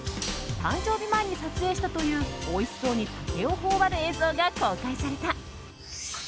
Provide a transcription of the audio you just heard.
誕生日前に撮影したというおいしそうに竹をほおばる映像が公開された。